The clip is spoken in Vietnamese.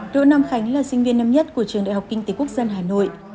đỗ nam khánh là sinh viên năm nhất của trường đại học kinh tế quốc dân hà nội